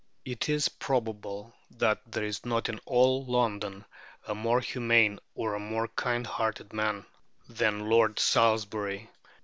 It is probable that there is not in all London a more humane or a more kind hearted man than Lord Salisbury.